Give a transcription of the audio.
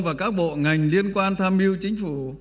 và các bộ ngành liên quan tham mưu chính phủ